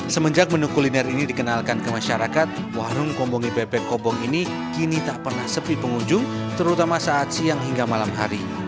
semenjak menu kuliner ini dikenalkan ke masyarakat warung kombongi bebek kobong ini kini tak pernah sepi pengunjung terutama saat siang hingga malam hari